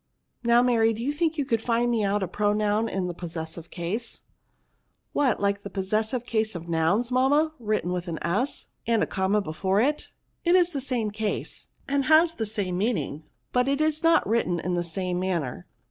Now, Mary, do you think you could find me out a pronoun in the pos* sessive case?" PRONOUNS. 167 " What, like the possessive case of nouns, mamma, written with an j, and a comma be fore it?" '^ It is the same case, and has the same meaning, but it is not written in the same manner.